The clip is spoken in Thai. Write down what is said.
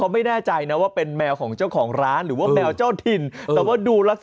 มันนอนอะไรตรงนี้น่ะลูก